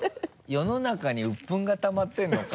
世の中にうっぷんがたまってるのか？